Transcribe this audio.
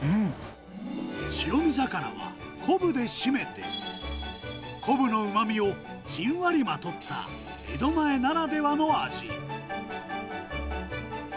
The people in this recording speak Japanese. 白身魚は昆布で締めて、昆布のうまみをじんわりまとった江戸前ならではの味。